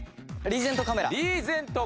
リーゼントカメラ。